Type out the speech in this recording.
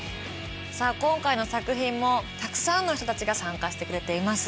さあ今回の作品もたくさんの人たちが参加してくれています。